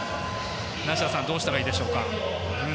梨田さんどうしたらいいでしょうか？